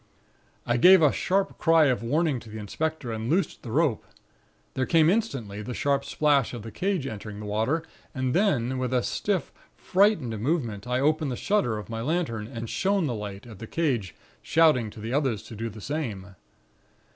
"I gave a sharp cry of warning to the inspector, and loosed the rope. There came instantly the sharp splash of the cage entering the water; and then, with a stiff, frightened movement, I opened the shutter of my lantern, and shone the light at the cage, shouting to the others to do the same.